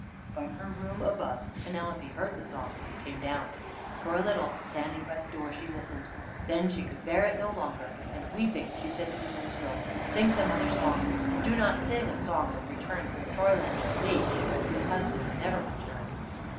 From her room above, Penelope heard the song, and came down. For a little, standing by the door, she listened. Then she could bear it no longer, and, weeping, she said to the minstrel: "Sing some other song, and do not sing a song of return from Troyland to me, whose husband never returned."